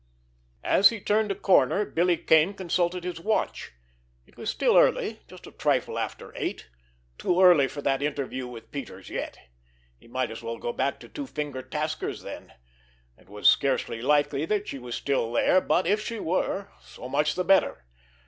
As he turned a corner, Billy Kane consulted his watch. It was still early, just a trifle after eight—too early for that interview with Peters yet. He might as well go back to Two finger Tasker's then. It was scarcely likely that she was still there, but, if she were, so much the better!